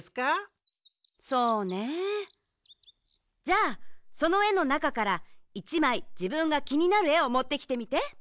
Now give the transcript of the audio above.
そうねえじゃあそのえのなかから１まいじぶんがきになるえをもってきてみて。